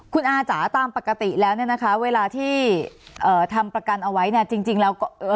คุณอาจ๋าตามปกติแล้วเนี่ยนะคะเวลาที่เอ่อทำประกันเอาไว้เนี่ยจริงแล้วก็เอ่อ